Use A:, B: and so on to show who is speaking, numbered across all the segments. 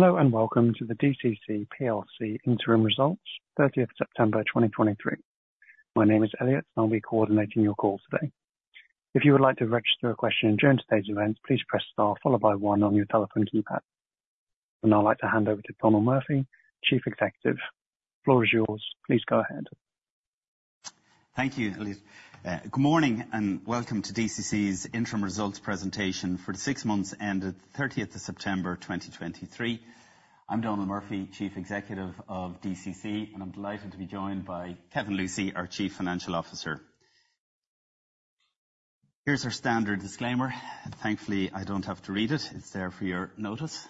A: Hello, and welcome to the DCC plc Interim Results, 30th September, 2023. My name is Elliot, and I'll be coordinating your call today. If you would like to register a question during today's event, please press star followed by one on your telephone keypad. I'd like to hand over to Donal Murphy, Chief Executive. The floor is yours. Please go ahead.
B: Thank you, Elliot. Good morning, and welcome to DCC's interim results presentation for the six months ended 30th of September 2023. I'm Donal Murphy, Chief Executive of DCC, and I'm delighted to be joined by Kevin Lucey, our Chief Financial Officer. Here's our standard disclaimer, and thankfully, I don't have to read it. It's there for your notice.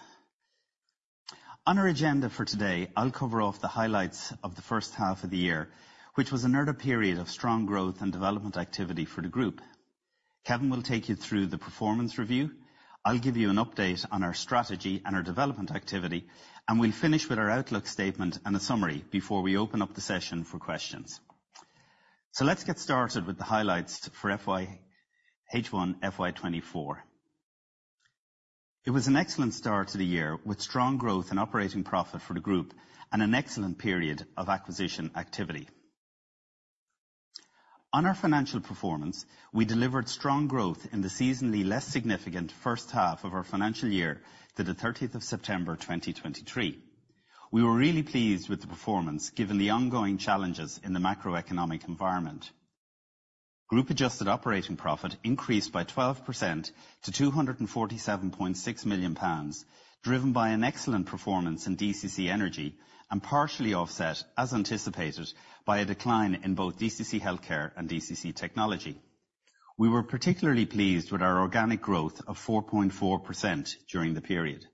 B: On our agenda for today, I'll cover off the highlights of the first half of the year, which was another period of strong growth and development activity for the group. Kevin will take you through the performance review. I'll give you an update on our strategy and our development activity, and we'll finish with our outlook statement and a summary before we open up the session for questions. So let's get started with the highlights for H1 FY 2024. It was an excellent start to the year, with strong growth and operating profit for the group and an excellent period of acquisition activity. On our financial performance, we delivered strong growth in the seasonally less significant first half of our financial year to the 30th of September 2023. We were really pleased with the performance, given the ongoing challenges in the macroeconomic environment. Group adjusted operating profit increased by 12% to GBP 247.6 million, driven by an excellent performance in DCC Energy, and partially offset, as anticipated, by a decline in both DCC Healthcare and DCC Technology. We were particularly pleased with our organic growth of 4.4% during the period.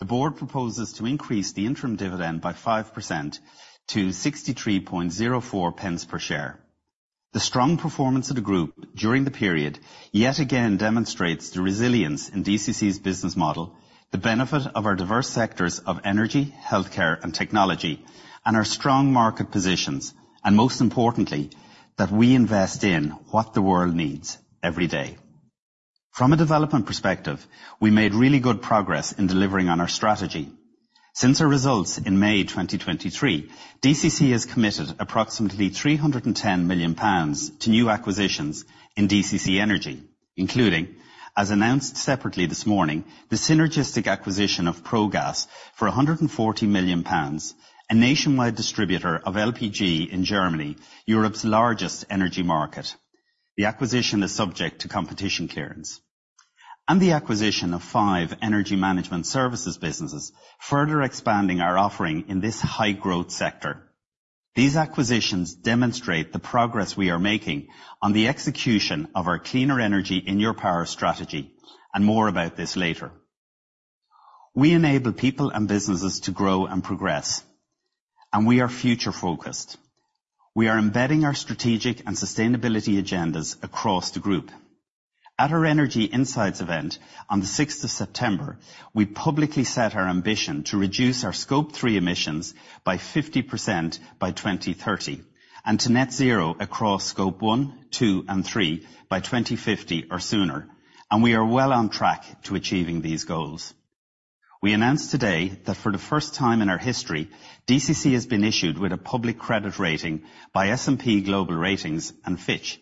B: The board proposes to increase the interim dividend by 5% to 0.6304 per share. The strong performance of the group during the period, yet again, demonstrates the resilience in DCC's business model, the benefit of our diverse sectors of energy, healthcare, and technology, and our strong market positions, and most importantly, that we invest in what the world needs every day. From a development perspective, we made really good progress in delivering on our strategy. Since our results in May 2023, DCC has committed approximately 310 million pounds to new acquisitions in DCC Energy, including, as announced separately this morning, the synergistic acquisition of Progas for 140 million pounds, a nationwide distributor of LPG in Germany, Europe's largest energy market. The acquisition is subject to competition clearance. The acquisition of five energy management services businesses, further expanding our offering in this high-growth sector. These acquisitions demonstrate the progress we are making on the execution of our Cleaner Energy in Your Power strategy, and more about this later. We enable people and businesses to grow and progress, and we are future-focused. We are embedding our strategic and sustainability agendas across the group. At our Energy Insights event on the sixth of September, we publicly set our ambition to reduce our Scope 3 emissions by 50% by 2030, and to Net Zero across Scope 1, 2, and 3 by 2050 or sooner. We are well on track to achieving these goals. We announced today that for the first time in our history, DCC has been issued with a public credit rating by S&P Global Ratings and Fitch.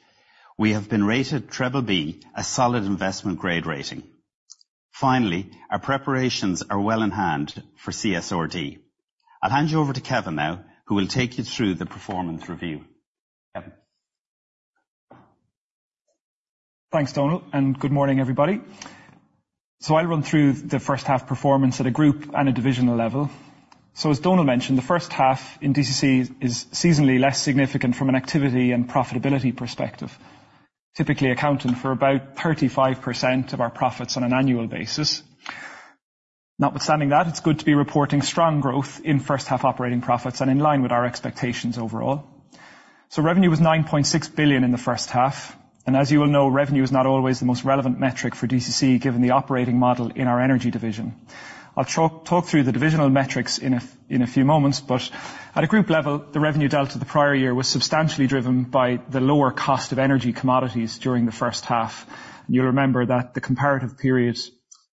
B: We have been rated BBB, a solid investment grade rating. Finally, our preparations are well in hand for CSRD. I'll hand you over to Kevin now, who will take you through the performance review. Kevin?
C: Thanks, Donal, and good morning, everybody. I'll run through the first half performance at a group and a divisional level. As Donal mentioned, the first half in DCC is seasonally less significant from an activity and profitability perspective, typically accounting for about 35% of our profits on an annual basis. Notwithstanding that, it's good to be reporting strong growth in first half operating profits and in line with our expectations overall. Revenue was 9.6 billion in the first half, and as you well know, revenue is not always the most relevant metric for DCC, given the operating model in our Energy division. I'll talk, talk through the divisional metrics in a, in a few moments, but at a group level, the revenue delta the prior year was substantially driven by the lower cost of energy commodities during the first half. You'll remember that the comparative period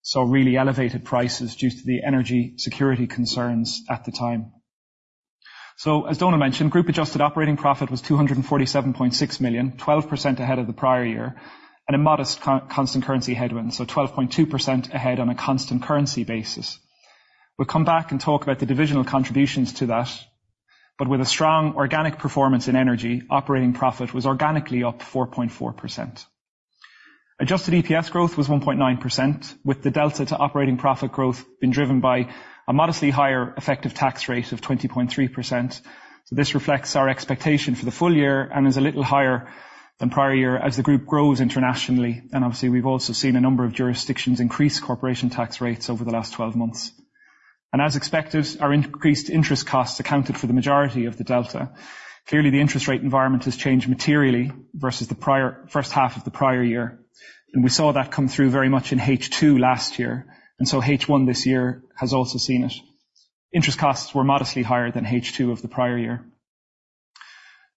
C: saw really elevated prices due to the energy security concerns at the time. So, as Donal mentioned, group-adjusted operating profit was 247.6 million, 12% ahead of the prior year, and a modest constant currency headwind, so 12.2% ahead on a constant currency basis. We'll come back and talk about the divisional contributions to that. But with a strong organic performance in energy, operating profit was organically up 4.4%. Adjusted EPS growth was 1.9%, with the delta to operating profit growth being driven by a modestly higher effective tax rate of 20.3%. So this reflects our expectation for the full year and is a little higher than prior year as the group grows internationally. Obviously, we've also seen a number of jurisdictions increase corporation tax rates over the last 12 months. As expected, our increased interest costs accounted for the majority of the delta. Clearly, the interest rate environment has changed materially versus the prior first half of the prior year, and we saw that come through very much in H2 last year, and so H1 this year has also seen it. Interest costs were modestly higher than H2 of the prior year.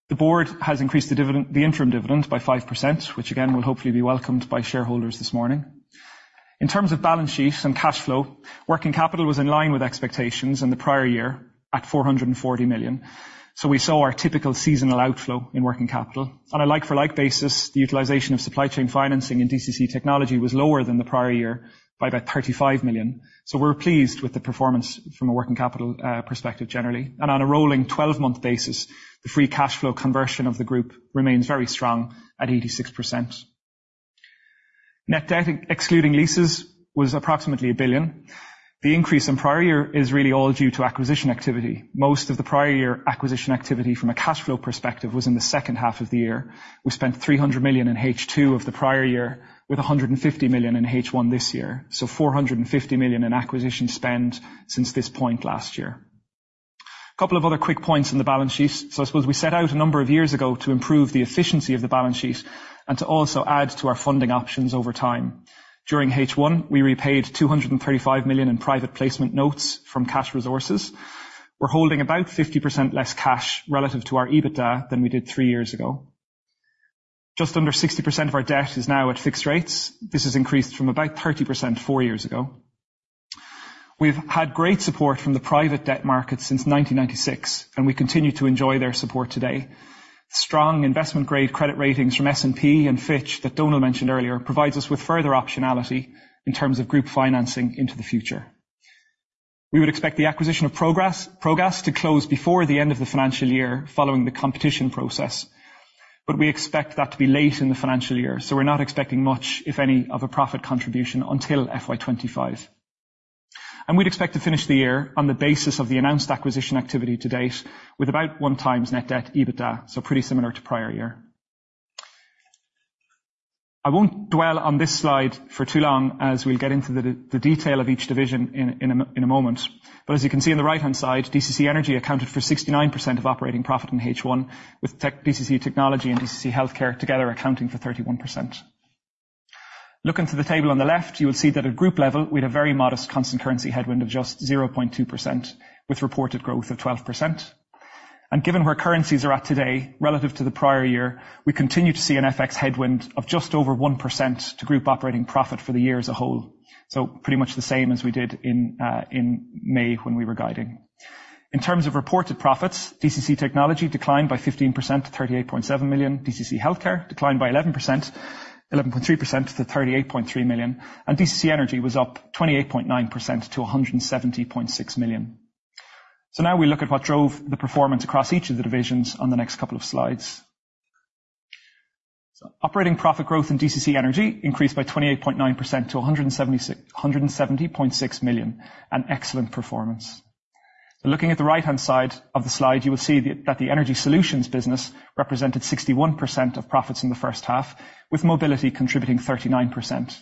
C: The board has increased the dividend, the interim dividend by 5%, which again, will hopefully be welcomed by shareholders this morning. In terms of balance sheets and cash flow, working capital was in line with expectations in the prior year at 440 million. We saw our typical seasonal outflow in working capital. On a like-for-like basis, the utilization of supply chain financing in DCC Technology was lower than the prior year by about 35 million. So we're pleased with the performance from a working capital perspective generally. And on a rolling 12-month basis, the free cash flow conversion of the group remains very strong at 86%. Net debt, excluding leases, was approximately 1 billion. The increase in prior year is really all due to acquisition activity. Most of the prior year acquisition activity from a cash flow perspective was in the second half of the year. We spent 300 million in H2 of the prior year, with 150 million in H1 this year. So 450 million in acquisition spend since this point last year. A couple of other quick points on the balance sheet. So I suppose we set out a number of years ago to improve the efficiency of the balance sheet and to also add to our funding options over time. During H1, we repaid 235 million in private placement notes from cash resources. We're holding about 50% less cash relative to our EBITDA than we did three years ago. Just under 60% of our debt is now at fixed rates. This has increased from about 30% four years ago. We've had great support from the private debt market since 1996, and we continue to enjoy their support today. Strong investment-grade credit ratings from S&P and Fitch, that Donal mentioned earlier, provides us with further optionality in terms of group financing into the future. We would expect the acquisition of Progas to close before the end of the financial year, following the competition process, but we expect that to be late in the financial year, so we're not expecting much, if any, of a profit contribution until FY 2025. And we'd expect to finish the year on the basis of the announced acquisition activity to date, with about 1x net debt EBITDA, so pretty similar to prior year. I won't dwell on this slide for too long, as we'll get into the detail of each division in a moment. But as you can see on the right-hand side, DCC Energy accounted for 69% of operating profit in H1, with DCC Technology and DCC Healthcare together accounting for 31%. Looking to the table on the left, you will see that at group level, we had a very modest constant currency headwind of just 0.2%, with reported growth of 12%. And given where currencies are at today, relative to the prior year, we continue to see an FX headwind of just over 1% to group operating profit for the year as a whole. So pretty much the same as we did in, in May when we were guiding. In terms of reported profits, DCC Technology declined by 15% to 38.7 million. DCC Healthcare declined by 11%, 11.3% to 38.3 million, and DCC Energy was up 28.9% to 170.6 million. So now we look at what drove the performance across each of the divisions on the next couple of slides. Operating profit growth in DCC Energy increased by 28.9% to 170.6 million, an excellent performance. Looking at the right-hand side of the slide, you will see the, that the Energy Solutions business represented 61% of profits in the first half, with mobility contributing 39%.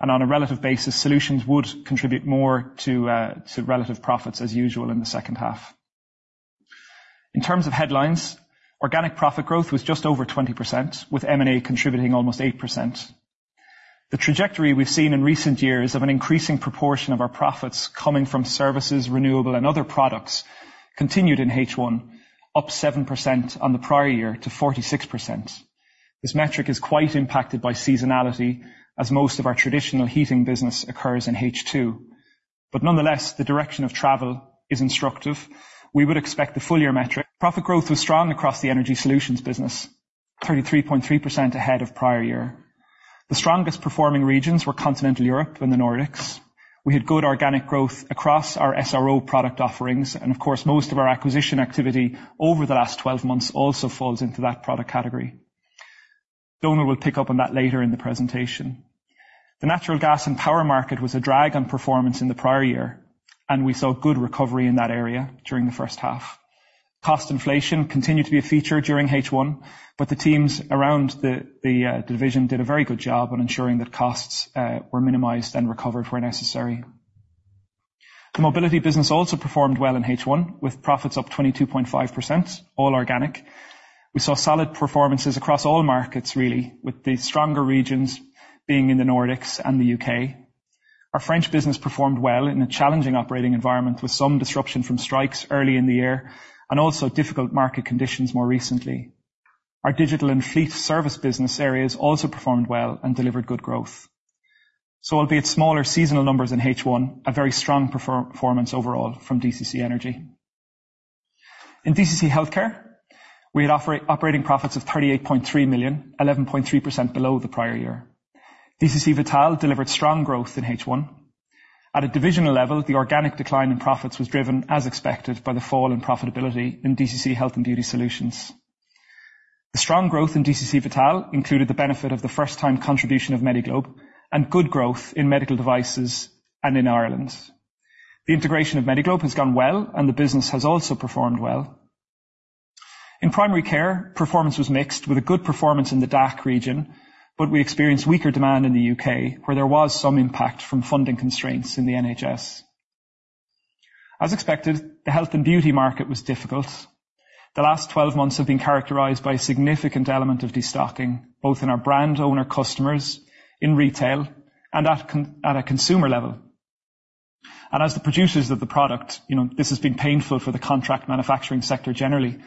C: On a relative basis, Solutions would contribute more to to relative profits as usual in the second half. In terms of headlines, organic profit growth was just over 20%, with M&A contributing almost 8%. The trajectory we've seen in recent years of an increasing proportion of our profits coming from Services, Renewable & Other products, continued in H1, up 7% on the prior year to 46%. This metric is quite impacted by seasonality, as most of our traditional heating business occurs in H2. But nonetheless, the direction of travel is instructive. We would expect the full year metric. Profit growth was strong across the Energy Solutions business, 33.3% ahead of prior year. The strongest performing regions were Continental Europe and the Nordics. We had good organic growth across our SRO product offerings, and of course, most of our acquisition activity over the last 12 months also falls into that product category. Donal will pick up on that later in the presentation. The natural gas and power market was a drag on performance in the prior year, and we saw good recovery in that area during the first half. Cost inflation continued to be a feature during H1, but the teams around the division did a very good job on ensuring that costs were minimized and recovered where necessary. The Mobility business also performed well in H1, with profits up 22.5%, all organic. We saw solid performances across all markets, really, with the stronger regions being in the Nordics and the U.K. Our French business performed well in a challenging operating environment, with some disruption from strikes early in the year, and also difficult market conditions more recently. Our digital and fleet service business areas also performed well and delivered good growth. So albeit smaller seasonal numbers in H1, a very strong performance overall from DCC Energy. In DCC Healthcare, we had operating profits of 38.3 million, 11.3% below the prior year. DCC Vital delivered strong growth in H1. At a divisional level, the organic decline in profits was driven, as expected, by the fall in profitability in DCC Health & Beauty Solutions. The strong growth in DCC Vital included the benefit of the first-time contribution of Medi-Globe and good growth in medical devices and in Ireland. The integration of Medi-Globe has gone well and the business has also performed well. In Primary Care, performance was mixed, with a good performance in the DACH region, but we experienced weaker demand in the U.K., where there was some impact from funding constraints in the NHS. As expected, the Health & Beauty market was difficult. The last 12 months have been characterized by a significant element of destocking, both in our brand owner customers, in retail, and at a consumer level.... As the producers of the product, you know, this has been painful for the contract manufacturing sector generally.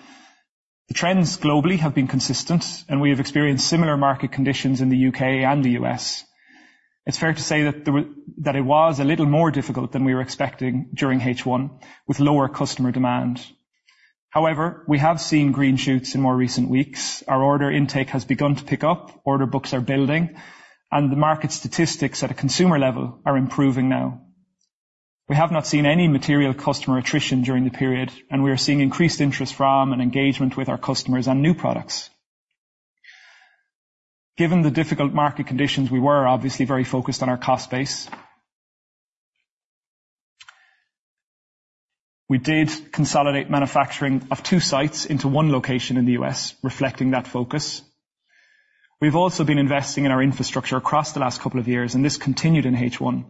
C: The trends globally have been consistent, and we have experienced similar market conditions in the U.K. and the U.S. It's fair to say that it was a little more difficult than we were expecting during H1, with lower customer demand. However, we have seen green shoots in more recent weeks. Our order intake has begun to pick up, order books are building, and the market statistics at a consumer level are improving now. We have not seen any material customer attrition during the period, and we are seeing increased interest from and engagement with our customers on new products. Given the difficult market conditions, we were obviously very focused on our cost base. We did consolidate manufacturing of two sites into one location in the U.S., reflecting that focus. We've also been investing in our infrastructure across the last couple of years, and this continued in H1.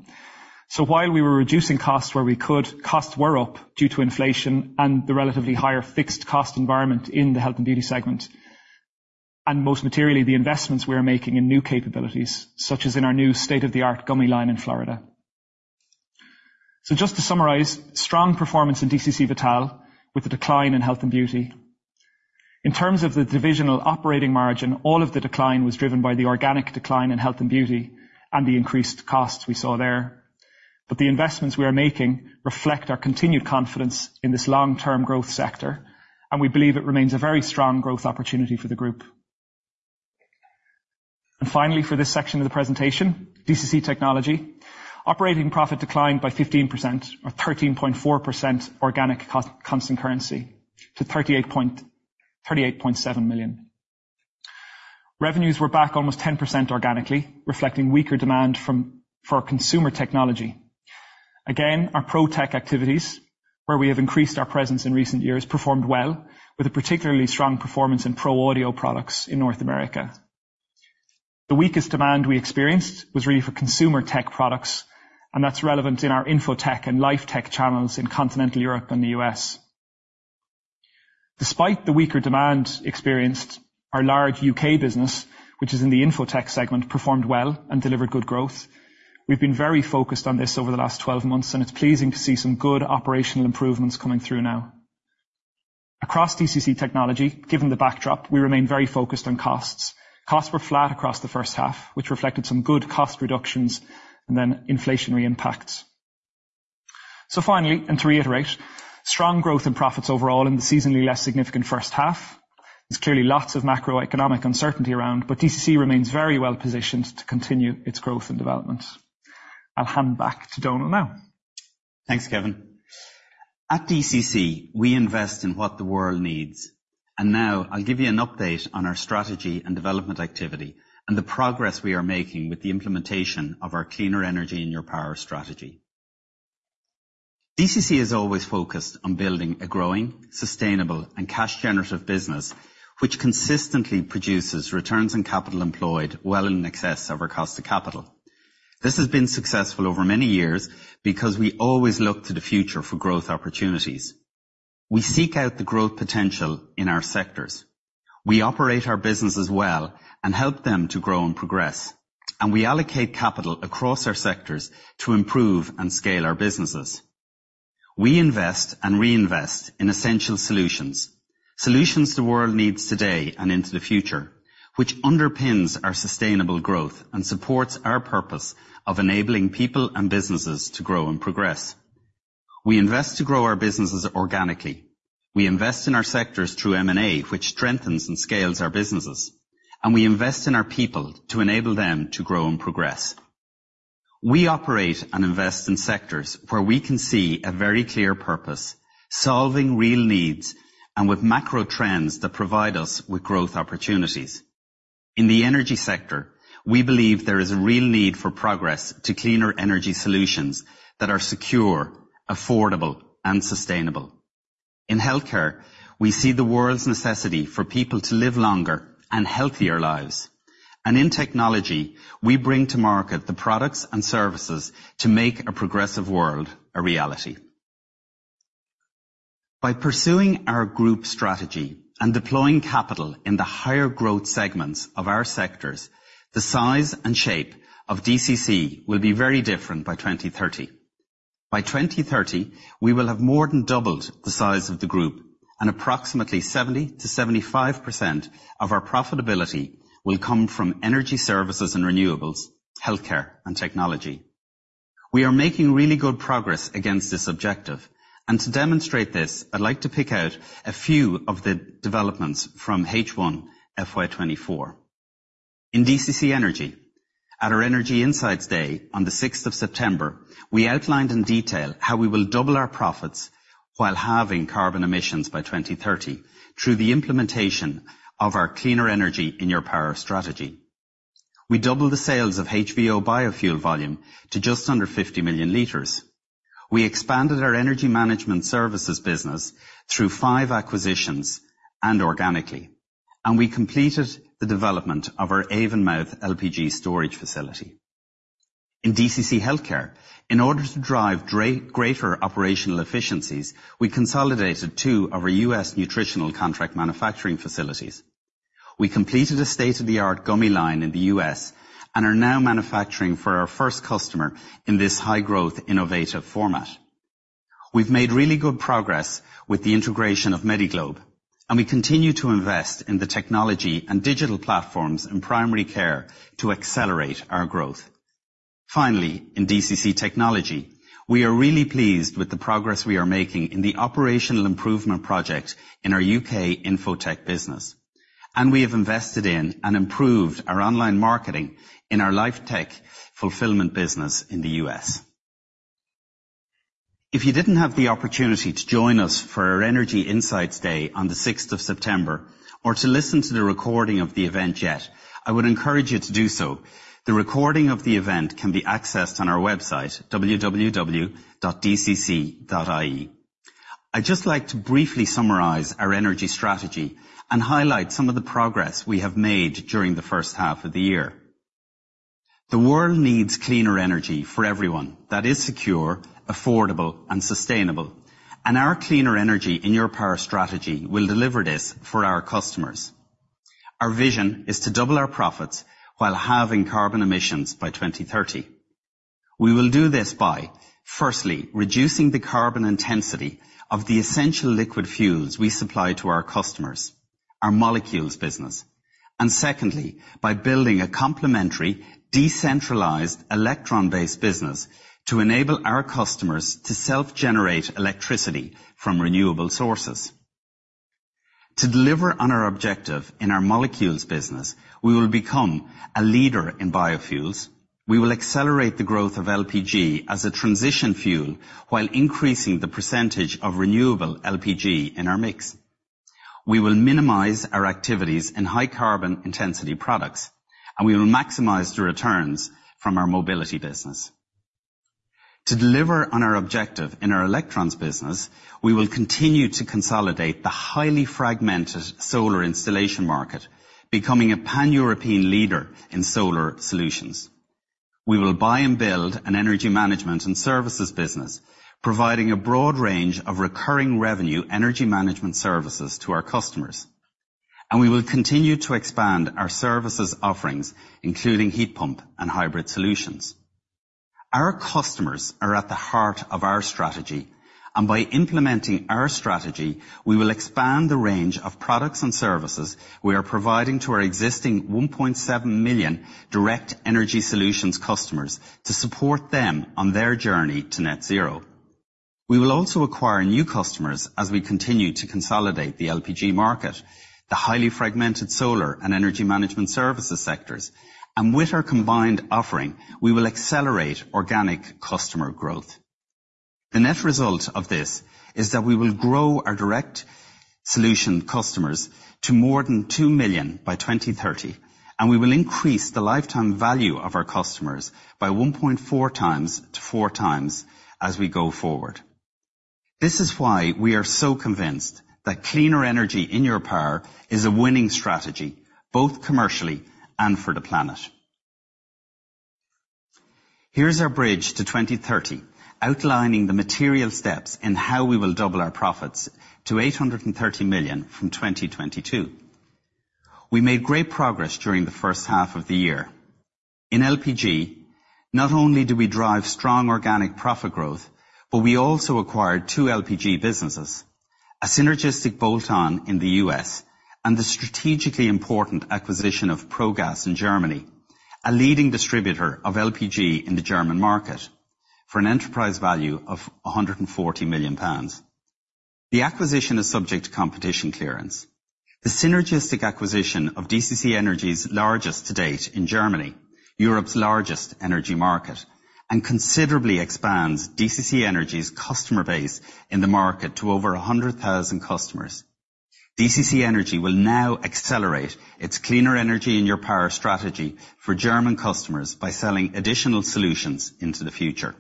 C: So while we were reducing costs where we could, costs were up due to inflation and the relatively higher fixed cost environment in the Health & Beauty segment, and most materially, the investments we are making in new capabilities, such as in our new state-of-the-art gummy line in Florida. So just to summarize, strong performance in DCC Vital, with a decline in Health & Beauty. In terms of the divisional operating margin, all of the decline was driven by the organic decline in Health & Beauty and the increased costs we saw there. But the investments we are making reflect our continued confidence in this long-term growth sector, and we believe it remains a very strong growth opportunity for the group. And finally, for this section of the presentation, DCC Technology. Operating profit declined by 15%, or 13.4% organic constant currency, to 38.7 million. Revenues were back almost 10% organically, reflecting weaker demand for consumer technology. Again, our Pro Tech activities, where we have increased our presence in recent years, performed well, with a particularly strong performance in Pro Audio products in North America. The weakest demand we experienced was really for consumer tech products, and that's relevant in our Info Tech and Life Tech channels in Continental Europe and the U.S. Despite the weaker demand experienced, our large U.K. business, which is in the Info Tech segment, performed well and delivered good growth. We've been very focused on this over the last 12 months, and it's pleasing to see some good operational improvements coming through now. Across DCC Technology, given the backdrop, we remain very focused on costs. Costs were flat across the first half, which reflected some good cost reductions and then inflationary impacts. So finally, and to reiterate, strong growth in profits overall in the seasonally less significant first half. There's clearly lots of macroeconomic uncertainty around, but DCC remains very well positioned to continue its growth and development. I'll hand back to Donal now.
B: Thanks, Kevin. At DCC, we invest in what the world needs, and now I'll give you an update on our strategy and development activity and the progress we are making with the implementation of our Cleaner Energy in Your Power strategy. DCC is always focused on building a growing, sustainable, and cash-generative business, which consistently produces returns on capital employed well in excess of our cost of capital. This has been successful over many years because we always look to the future for growth opportunities. We seek out the growth potential in our sectors. We operate our businesses well and help them to grow and progress, and we allocate capital across our sectors to improve and scale our businesses. We invest and reinvest in essential solutions, solutions the world needs today and into the future, which underpins our sustainable growth and supports our purpose of enabling people and businesses to grow and progress. We invest to grow our businesses organically. We invest in our sectors through M&A, which strengthens and scales our businesses, and we invest in our people to enable them to grow and progress. We operate and invest in sectors where we can see a very clear purpose, solving real needs and with macro trends that provide us with growth opportunities. In the Energy sector, we believe there is a real need for progress to cleaner Energy Solutions that are secure, affordable, and sustainable. In Healthcare, we see the world's necessity for people to live longer and healthier lives, and in Technology, we bring to market the products and services to make a progressive world a reality. By pursuing our group strategy and deploying capital in the higher growth segments of our sectors, the size and shape of DCC will be very different by 2030. By 2030, we will have more than doubled the size of the group, and approximately 70%-75% of our profitability will come from Energy Services & Renewables, Healthcare, and Technology. We are making really good progress against this objective, and to demonstrate this, I'd like to pick out a few of the developments from H1 FY 2024. In DCC Energy, at our Energy Insights Day on the sixth of September, we outlined in detail how we will double our profits while halving carbon emissions by 2030 through the implementation of our Cleaner Energy in Your Power strategy. We doubled the sales of HVO biofuel volume to just under 50 million L. We expanded our energy management services business through five acquisitions and organically, and we completed the development of our Avonmouth LPG storage facility. In DCC Healthcare, in order to drive greater operational efficiencies, we consolidated two of our U.S. nutritional contract manufacturing facilities. We completed a state-of-the-art gummy line in the U.S., and are now manufacturing for our first customer in this high-growth, innovative format. We've made really good progress with the integration of Medi-Globe, and we continue to invest in the technology and digital platforms in primary care to accelerate our growth. Finally, in DCC Technology, we are really pleased with the progress we are making in the operational improvement project in our U.K. Info Tech business, and we have invested in and improved our online marketing in our Life Tech fulfillment business in the U.S. If you didn't have the opportunity to join us for our Energy Insights Day on the sixth of September, or to listen to the recording of the event yet, I would encourage you to do so. The recording of the event can be accessed on our website, www.dcc.ie. I'd just like to briefly summarize our energy strategy and highlight some of the progress we have made during the first half of the year. The world needs cleaner energy for everyone that is secure, affordable, and sustainable, and our Cleaner Energy in Your Power strategy will deliver this for our customers. Our vision is to double our profits while halving carbon emissions by 2030. We will do this by, firstly, reducing the carbon intensity of the essential liquid fuels we supply to our customers, our molecules business. Secondly, by building a complementary, decentralized, electron-based business to enable our customers to self-generate electricity from renewable sources. To deliver on our objective in our molecules business, we will become a leader in biofuels. We will accelerate the growth of LPG as a transition fuel, while increasing the percentage of renewable LPG in our mix. We will minimize our activities in high carbon intensity products, and we will maximize the returns from our Mobility business. To deliver on our objective in our electrons business, we will continue to consolidate the highly fragmented solar installation market, becoming a Pan-European leader in solar solutions. We will buy and build an energy management and services business, providing a broad range of recurring revenue, energy management services to our customers, and we will continue to expand our services offerings, including heat pump and hybrid solutions. Our customers are at the heart of our strategy, and by implementing our strategy, we will expand the range of products and services we are providing to our existing 1.7 million direct Energy Solutions customers, to support them on their journey to Net Zero. We will also acquire new customers as we continue to consolidate the LPG market, the highly fragmented solar and energy management services sectors, and with our combined offering, we will accelerate organic customer growth. The net result of this is that we will grow our direct solution customers to more than 2 million by 2030, and we will increase the lifetime value of our customers by 1.4x-4x as we go forward. This is why we are so convinced that Cleaner Energy in Your Power is a winning strategy, both commercially and for the planet. Here's our bridge to 2030, outlining the material steps in how we will double our profits to 830 million from 2022. We made great progress during the first half of the year. In LPG, not only did we drive strong organic profit growth, but we also acquired two LPG businesses, a synergistic bolt-on in the U.S., and the strategically important acquisition of Progas in Germany, a leading distributor of LPG in the German market, for an enterprise value of 140 million pounds. The acquisition is subject to competition clearance. The synergistic acquisition of DCC Energy's largest to date in Germany, Europe's largest energy market, and considerably expands DCC Energy's customer base in the market to over 100,000 customers. DCC Energy will now accelerate its Cleaner Energy in Your Power strategy for German customers by selling additional solutions into the future.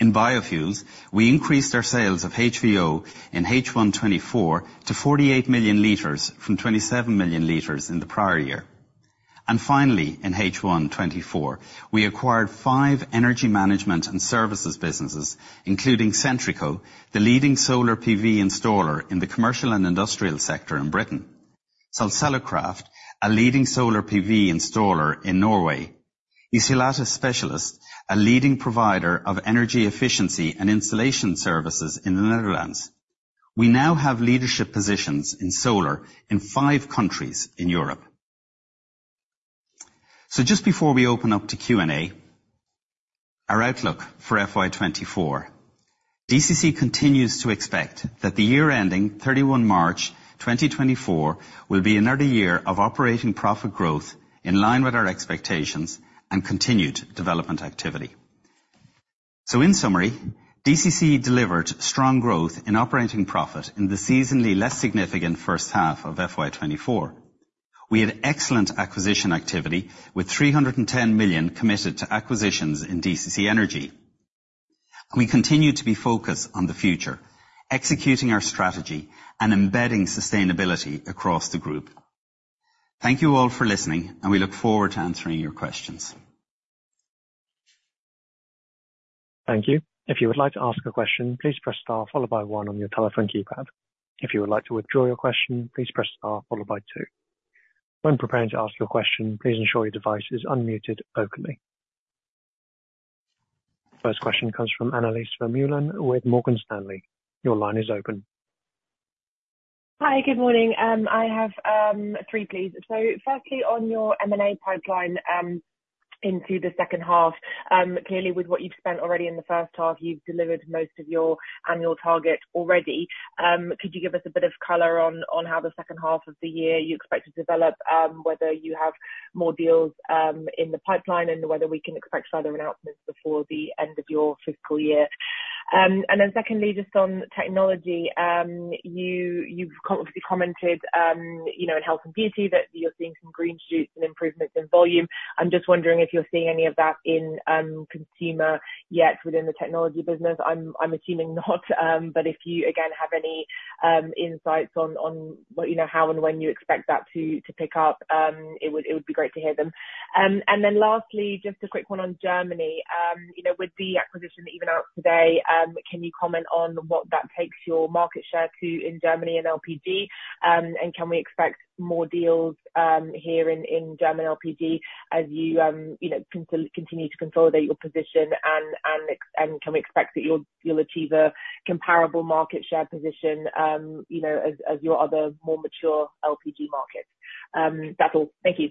B: In biofuels, we increased our sales of HVO in H1 2024 to 48 million L from 27 million L in the prior year. And finally, in H1 2024, we acquired five energy management and services businesses, including Centreco, the leading solar PV installer in the commercial and industrial sector in Britain. Solcellekraft, a leading solar PV installer in Norway. Isolatiespecialist, a leading provider of energy efficiency and installation services in the Netherlands. We now have leadership positions in solar in five countries in Europe. So just before we open up to Q&A, our outlook for FY 2024. DCC continues to expect that the year ending 31 March 2024, will be another year of operating profit growth in line with our expectations and continued development activity. So in summary, DCC delivered strong growth in operating profit in the seasonally less significant first half of FY 2024. We had excellent acquisition activity, with 310 million committed to acquisitions in DCC Energy. We continue to be focused on the future, executing our strategy and embedding sustainability across the group. Thank you all for listening, and we look forward to answering your questions.
A: Thank you. If you would like to ask a question, please press star followed by one on your telephone keypad. If you would like to withdraw your question, please press star followed by two. When preparing to ask your question, please ensure your device is unmuted openly. First question comes from Annelies Vermeulen with Morgan Stanley. Your line is open.
D: Hi, good morning. I have three, please. So firstly, on your M&A pipeline, into the second half, clearly, with what you've spent already in the first half, you've delivered most of your annual target already. Could you give us a bit of color on how the second half of the year you expect to develop, whether you have more deals in the pipeline, and whether we can expect further announcements before the end of your fiscal year? And then secondly, just on Technology. You've commented, you know, in Health & Beauty, that you're seeing some green shoots and improvements in volume. I'm just wondering if you're seeing any of that in consumer yet within the Technology business. I'm assuming not, but if you, again, have any insights on, well, you know, how and when you expect that to pick up, it would be great to hear them. And then lastly, just a quick one on Germany. You know, with the acquisition that you announced today, can you comment on what that takes your market share to in Germany and LPG? And can we expect more deals here in German LPG as you, you know, continue to consolidate your position? And can we expect that you'll achieve a comparable market share position, you know, as your other more mature LPG markets? That's all. Thank you.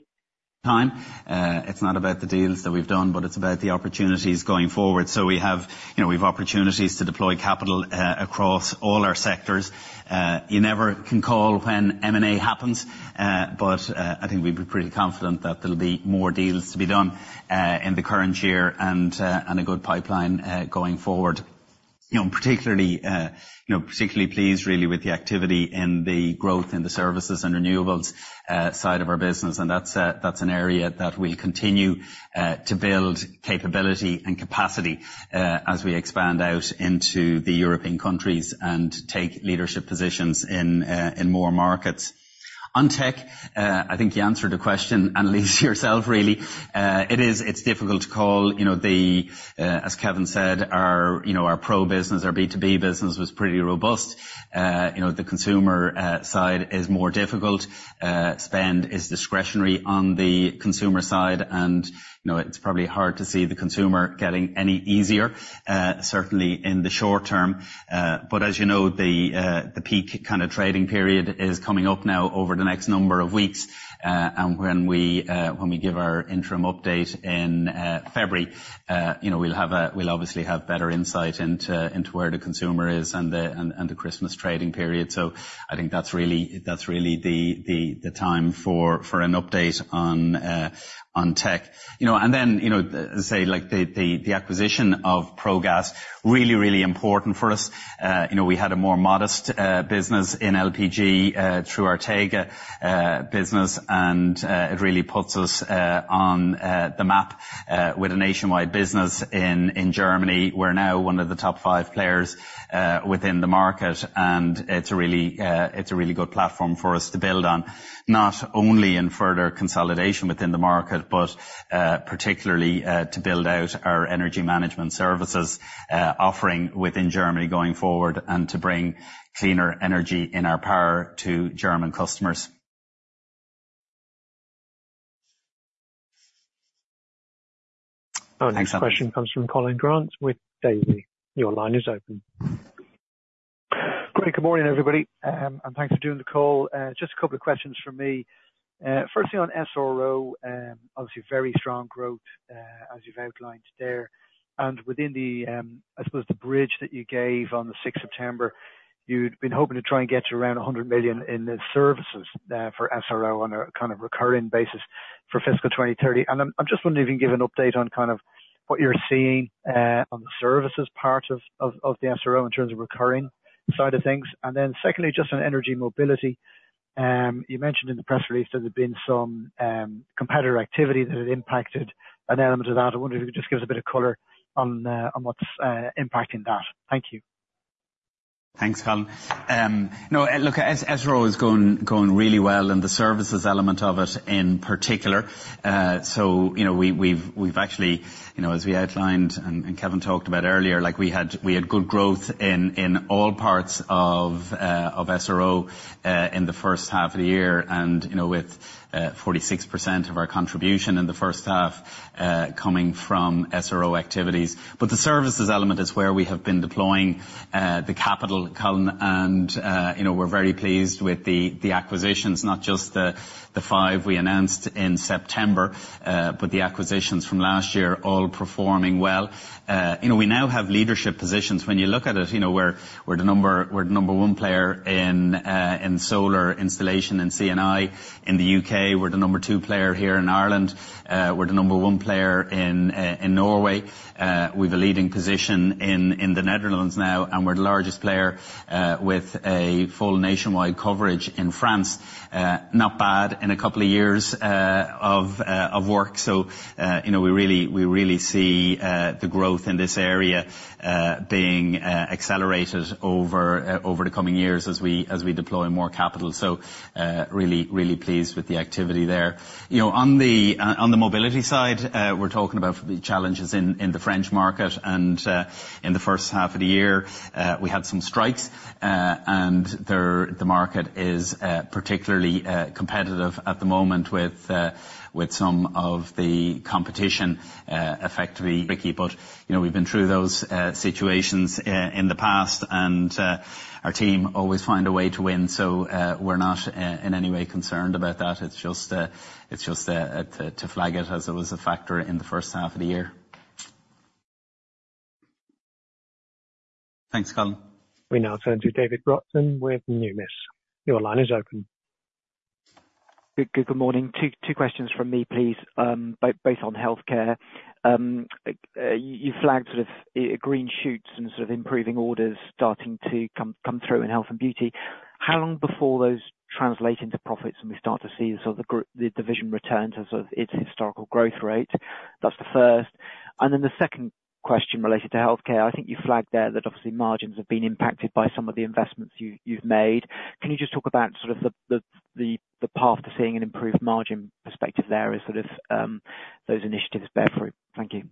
B: Time. It's not about the deals that we've done, but it's about the opportunities going forward. So we have, you know, we've opportunities to deploy capital across all our sectors. You never can call when M&A happens, but I think we'd be pretty confident that there'll be more deals to be done in the current year, and a good pipeline going forward. You know, particularly, you know, particularly pleased really with the activity in the growth in the Services and Renewables side of our business, and that's a, that's an area that we continue to build capability and capacity as we expand out into the European countries and take leadership positions in in more markets. On Tech, I think you answered the question, Annelise, yourself, really. It is, it's difficult to call, you know, the, as Kevin said, our, you know, our Pro business, our B2B business was pretty robust. You know, the consumer side is more difficult. Spend is discretionary on the consumer side, and, you know, it's probably hard to see the consumer getting any easier, certainly in the short term. But as you know, the, the peak kind of trading period is coming up now over the next number of weeks. And when we, when we give our interim update in February, you know, we'll have a, we'll obviously have better insight into, into where the consumer is and the, and, and the Christmas trading period. So I think that's really, that's really the, the, the time for, for an update on, on tech. You know, and then, you know, say, like, the acquisition of Progas, really, really important for us. You know, we had a more modest business in LPG through our TEGA business, and it really puts us on the map with a nationwide business in Germany. We're now one of the top five players within the market, and it's a really, it's a really good platform for us to build on, not only in further consolidation within the market, but particularly to build out our energy management services offering within Germany going forward, and to bring Cleaner Energy in Your Power to German customers.
A: Our next question comes from Colin Grant with Davy. Your line is open.
E: Great. Good morning, everybody, and thanks for doing the call. Just a couple of questions from me. Firstly, on SRO, obviously very strong growth, as you've outlined there. And within the, I suppose, the bridge that you gave on the 6th September, you'd been hoping to try and get to around 100 million in the services, for SRO on a kind of recurring basis for fiscal 2030. And I'm just wondering if you can give an update on kind of what you're seeing, on the services part of the SRO in terms of recurring side of things. And then secondly, just on Energy Mobility, you mentioned in the press release there had been some, competitor activity that had impacted an element of that. I wonder if you could just give us a bit of color on what's impacting that. Thank you.
B: Thanks, Colin. No, look, SRO is going really well, and the services element of it in particular. So, you know, we've actually, you know, as we outlined and Kevin talked about earlier, like we had good growth in all parts of SRO in the first half of the year. And, you know, with 46% of our contribution in the first half coming from SRO activities. But the services element is where we have been deploying the capital, Colin, and, you know, we're very pleased with the acquisitions, not just the five we announced in September, but the acquisitions from last year all performing well. You know, we now have leadership positions. When you look at it, you know, we're the number one player in solar installation and C&I in the U.K. We're the number two player here in Ireland. We're the number one player in Norway. We've a leading position in the Netherlands now, and we're the largest player with a full nationwide coverage in France. Not bad in a couple of years of work. So, you know, we really see the growth in this area being accelerated over the coming years as we deploy more capital. So, really pleased with the activity there. You know, on the Mobility side, we're talking about the challenges in the French market, and in the first half of the year, we had some strikes, and there, the market is particularly competitive at the moment with some of the competition effectively. But, you know, we've been through those situations in the past, and our team always find a way to win. So, we're not in any way concerned about that. It's just, it's just to flag it as it was a factor in the first half of the year.
C: Thanks, Colin.
A: We now turn to David Brockton with Numis. Your line is open.
F: Good morning. Two questions from me, please, based on healthcare. You flagged sort of green shoots and sort of improving orders starting to come through in Health & Beauty. How long before those translate into profits, and we start to see sort of the division return to sort of its historical growth rate? That's the first. And then the second question related to Healthcare. I think you flagged there that obviously margins have been impacted by some of the investments you've made. Can you just talk about sort of the path to seeing an improved margin perspective there as sort of those initiatives bear fruit? Thank you.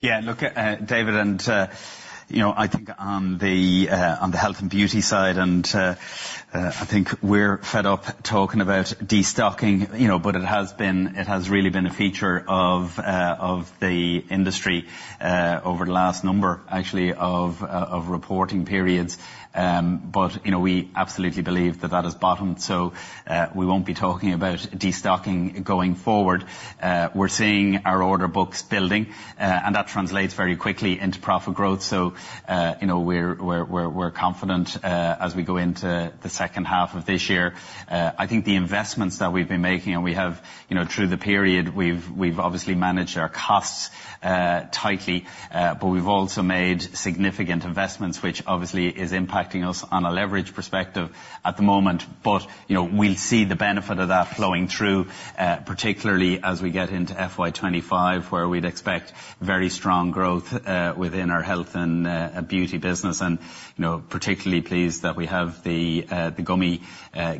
B: Yeah, look, David, and you know, I think on the Health & Beauty side, and I think we're fed up talking about destocking, you know, but it has been, it has really been a feature of the industry over the last number, actually, of reporting periods. But you know, we absolutely believe that that has bottomed, so we won't be talking about destocking going forward. We're seeing our order books building, and that translates very quickly into profit growth. So you know, we're confident as we go into the second half of this year. I think the investments that we've been making, and we have, you know, through the period, we've obviously managed our costs tightly, but we've also made significant investments, which obviously is impacting us on a leverage perspective at the moment. But, you know, we'll see the benefit of that flowing through, particularly as we get into FY 2025, where we'd expect very strong growth within our Health & Beauty business. And, you know, particularly pleased that we have the gummy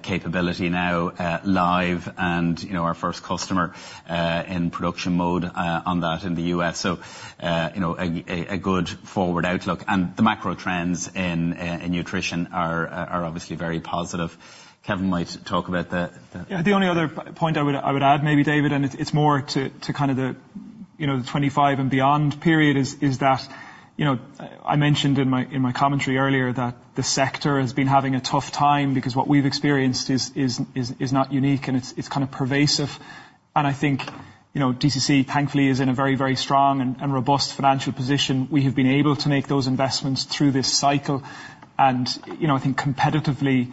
B: capability now live and, you know, our first customer in production mode on that in the U.S. So, you know, a good forward outlook. And the macro trends in nutrition are obviously very positive. Kevin might talk about the.
C: Yeah, the only other point I would add, maybe, David, and it's more to kind of the, you know, the 25 and beyond period, is that, you know, I mentioned in my commentary earlier that the sector has been having a tough time because what we've experienced is not unique, and it's kind of pervasive. And I think, you know, DCC, thankfully, is in a very strong and robust financial position. We have been able to make those investments through this cycle. And, you know, I think competitively,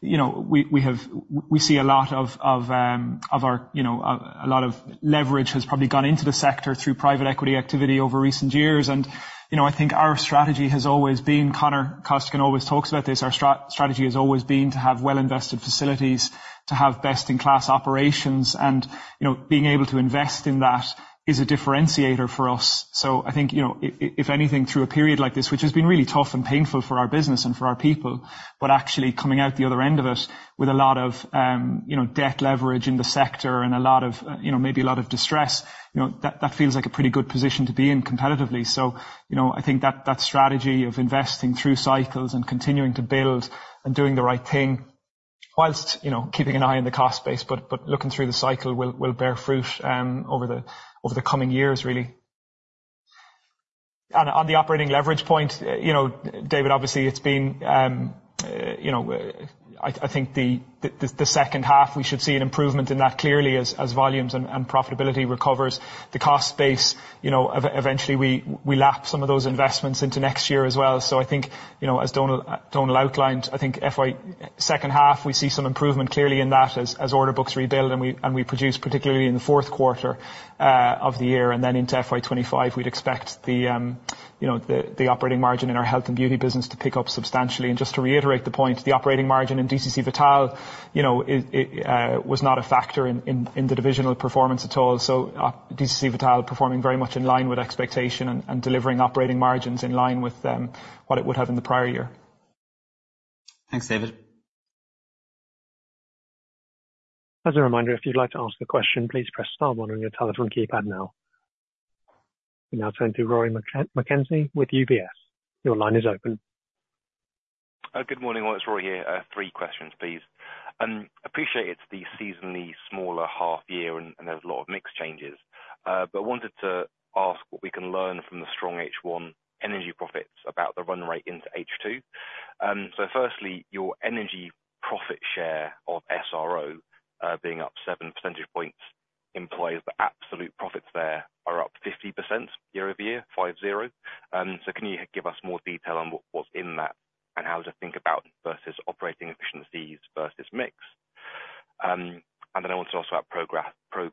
C: you know, we have. We see a lot of our, you know, a lot of leverage has probably gone into the sector through private equity activity over recent years. You know, I think our strategy has always been, Conor Costigan always talks about this: Our strategy has always been to have well-invested facilities, to have best-in-class operations, and, you know, being able to invest in that is a differentiator for us. So I think, you know, if anything, through a period like this, which has been really tough and painful for our business and for our people, but actually coming out the other end of it with a lot of, you know, debt leverage in the sector and a lot of, you know, maybe a lot of distress, you know, that, that feels like a pretty good position to be in competitively. So, you know, I think that strategy of investing through cycles and continuing to build and doing the right thing whilst, you know, keeping an eye on the cost base, but looking through the cycle, will bear fruit over the coming years, really. And on the operating leverage point, you know, David, obviously, it's been, you know, I think the second half, we should see an improvement in that clearly as volumes and profitability recovers. The cost base, you know, eventually, we lap some of those investments into next year as well. So I think, you know, as Donal outlined, I think FY second half, we see some improvement clearly in that as order books rebuild and we produce, particularly in the fourth quarter of the year, and then into FY 2025, we'd expect the, you know, the operating margin in our Health & Beauty business to pick up substantially. And just to reiterate the point, the operating margin in DCC Vital, you know, it was not a factor in the divisional performance at all. So DCC Vital performing very much in line with expectation and delivering operating margins in line with what it would have in the prior year.
B: Thanks, David.
A: As a reminder, if you'd like to ask a question, please press star one on your telephone keypad now. We now turn to Rory McKenzie with UBS. Your line is open.
G: Good morning. Well, it's Rory here. Three questions, please. Appreciate it's the seasonally smaller half year, and there's a lot of mix changes. But wanted to ask what we can learn from the strong H1 Energy profits about the run rate into H2. So firstly, your Energy profit share of SRO being up seven percentage points implies the absolute profits there are up 50% year-over-year. So can you give us more detail on what's in that, and how to think about versus operating efficiencies versus mix? And then I wanted to ask about Progas.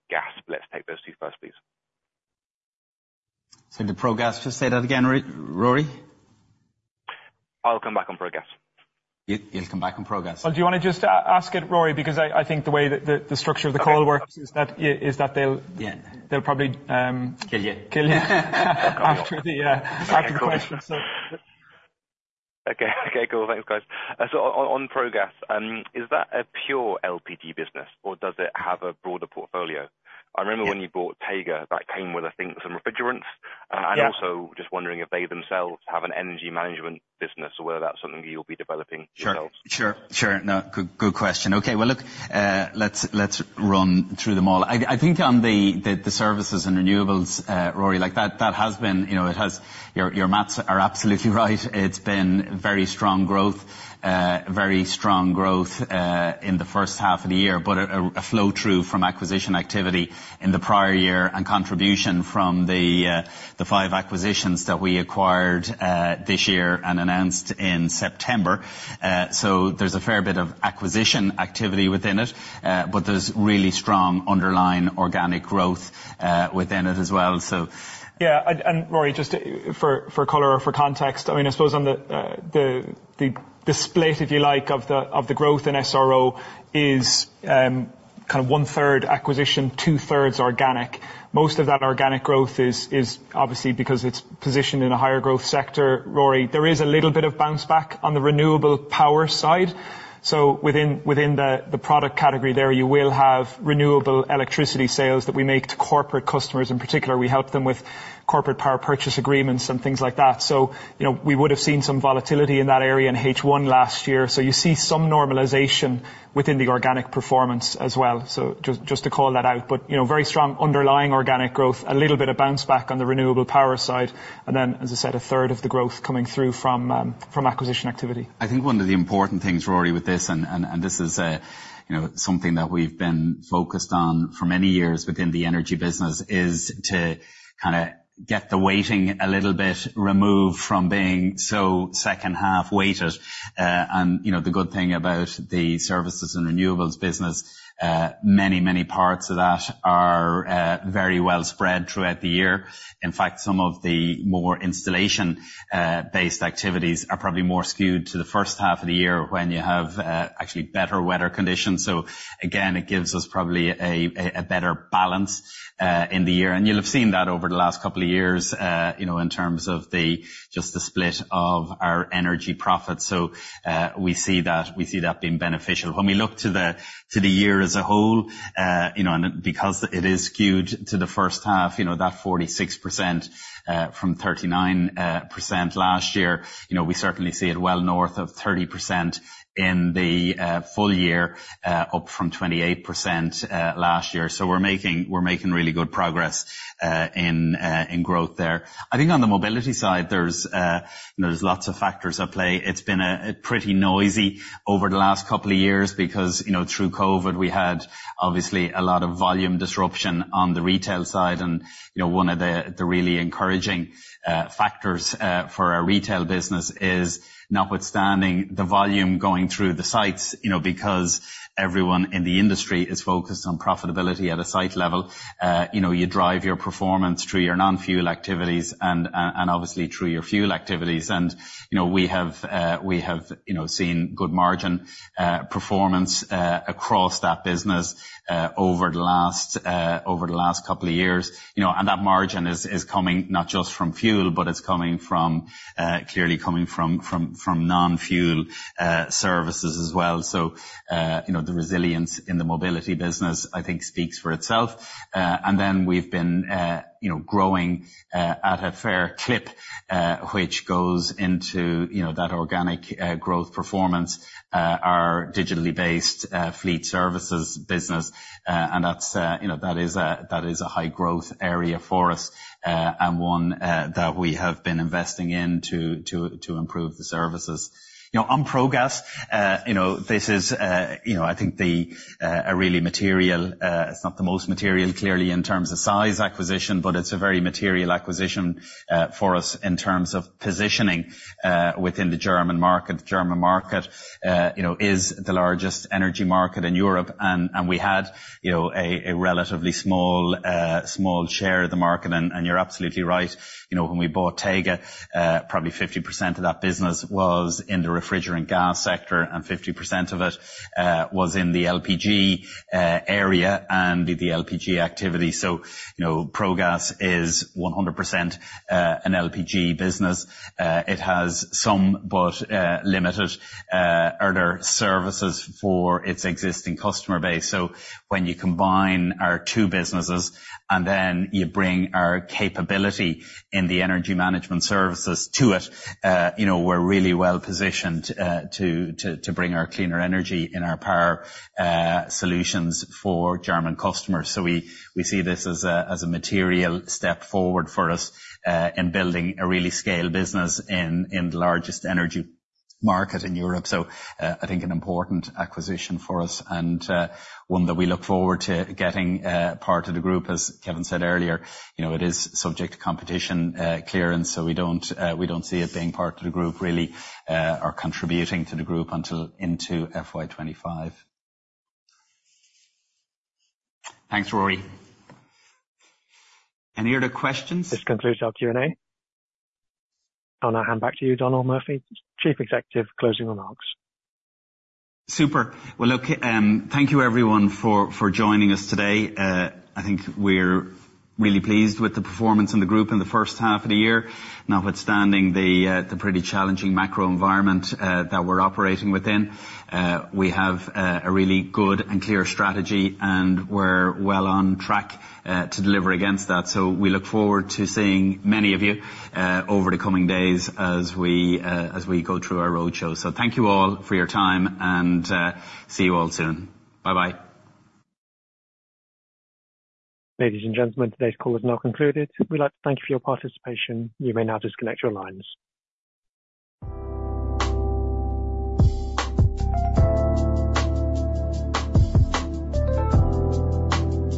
G: Let's take those two first, please.
B: The Progas, just say that again, Rory?
G: I'll come back on Progas.
B: You'll come back on Progas.
C: Well, do you wanna just ask it, Rory? Because I, I think the way the structure of the call works is that—yeah, is that they'll—
B: Yeah.
C: They'll probably.
B: Queue you.
C: Queue you. After the, after the question, so...
G: Okay. Okay, cool, thanks, guys. So on Progas, is that a pure LPG business, or does it have a broader portfolio?
B: Yeah.
G: I remember when you bought TEGA, that came with, I think, some refrigerants also just wondering if they themselves have an energy management business, or whether that's something you'll be developing yourself?
B: Sure. Sure, sure. No, good, good question. Okay, well, look, let's run through them all. I think on the Services and Renewables, Rory, like, that has been, you know, it has. Your math are absolutely right. It's been very strong growth, very strong growth in the first half of the year, but a flow-through from acquisition activity in the prior year, and contribution from the five acquisitions that we acquired this year and announced in September. So there's a fair bit of acquisition activity within it, but there's really strong underlying organic growth within it as well, so.
C: Yeah, and Rory, just for color or for context, I mean, I suppose on the split, if you like, of the growth in SRO is kind of one-third acquisition, two-thirds organic. Most of that organic growth is obviously because it's positioned in a higher growth sector, Rory. There is a little bit of bounce back on the renewable power side. So within the product category there, you will have renewable electricity sales that we make to corporate customers. In particular, we help them with corporate power purchase agreements and things like that. So, you know, we would have seen some volatility in that area in H1 last year. So you see some normalization within the organic performance as well. So just to call that out. You know, very strong underlying organic growth, a little bit of bounce back on the renewable power side, and then, as I said, a third of the growth coming through from acquisition activity.
B: I think one of the important things, Rory, with this, and this is, you know, something that we've been focused on for many years within the Energy business, is to kinda get the weighting a little bit removed from being so second half-weighted. And, you know, the good thing about the Services and Renewables business, many, many parts of that are very well spread throughout the year. In fact, some of the more installation based activities are probably more skewed to the first half of the year when you have actually better weather conditions. So again, it gives us probably a better balance in the year. And you'll have seen that over the last couple of years, you know, in terms of just the split of our Energy profits. So, we see that, we see that being beneficial. When we look to the year as a whole, you know, and because it is skewed to the first half, you know, that 46% from 39% last year, you know, we certainly see it well north of 30% in the full year, up from 28% last year. So we're making, we're making really good progress in growth there. I think on the Mobility side, there's lots of factors at play. It's been pretty noisy over the last couple of years because, you know, through COVID, we had obviously a lot of volume disruption on the retail side. And, you know, one of the, the really encouraging factors for our retail business is, notwithstanding the volume going through the sites, you know, because everyone in the industry is focused on profitability at a site level, you know, you drive your performance through your non-fuel activities and, and obviously through your fuel activities. And, you know, we have, we have, you know, seen good margin performance across that business, over the last, over the last couple of years. You know, and that margin is, is coming not just from fuel, but it's coming from, clearly coming from, from, from non-fuel services as well. So, you know, the resilience in the Mobility business, I think, speaks for itself. And then we've been, you know, growing at a fair clip, which goes into, you know, that organic growth performance, our digitally based fleet services business. And that's, you know, that is a high growth area for us, and one that we have been investing in to improve the services. You know, on Progas, you know, this is, you know, I think a really material. It's not the most material, clearly, in terms of size acquisition, but it's a very material acquisition for us in terms of positioning within the German market. The German market, you know, is the largest energy market in Europe, and we had, you know, a relatively small share of the market. You're absolutely right, you know, when we bought TEGA, probably 50% of that business was in the refrigerant gas sector, and 50% of it was in the LPG area and the LPG activity. So, you know, Progas is 100% an LPG business. It has some, but limited other services for its existing customer base. So when you combine our two businesses, and then you bring our capability in the energy management services to it, you know, we're really well positioned to bring our Cleaner Energy in Your Power solutions for German customers. So we see this as a material step forward for us in building a really scale business in the largest energy market in Europe. I think an important acquisition for us and, one that we look forward to getting part of the group. As Kevin said earlier, you know, it is subject to competition clearance, so we don't see it being part of the group really, or contributing to the group until into FY 2025. Thanks, Rory. Any other questions?
A: This concludes our Q&A. I'll now hand back to you, Donal Murphy, Chief Executive, closing remarks.
B: Super. Well, okay, thank you everyone for joining us today. I think we're really pleased with the performance in the group in the first half of the year, notwithstanding the pretty challenging macro environment that we're operating within. We have a really good and clear strategy, and we're well on track to deliver against that. So we look forward to seeing many of you over the coming days as we go through our roadshow. So thank you all for your time, and see you all soon. Bye-bye.
A: Ladies and gentlemen, today's call is now concluded. We'd like to thank you for your participation. You may now disconnect your lines.